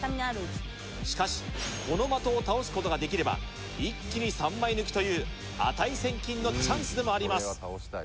しかしこの的を倒すことができれば一気に３枚抜きという値千金のチャンスでもあります